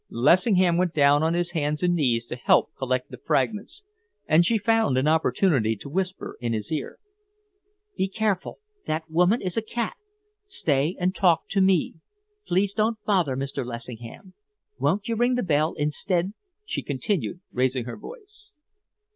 Lessingham went down on his hands and knees to help collect the fragments, and she found an opportunity to whisper in his ear. "Be careful. That woman is a cat. Stay and talk to me. Please don't bother, Mr. Lessingham. Won't you ring the bell instead?" she continued, raising her voice.